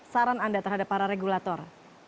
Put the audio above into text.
saran anda terhadap para regulator